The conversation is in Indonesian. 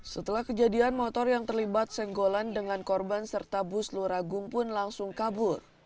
setelah kejadian motor yang terlibat senggolan dengan korban serta bus luragung pun langsung kabur